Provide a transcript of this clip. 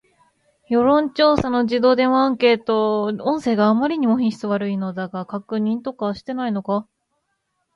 世論調査の自動電話アンケート音声があまりにも品質悪いのだが、確認とかしていないのか